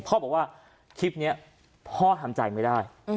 บอกว่าคลิปนี้พ่อทำใจไม่ได้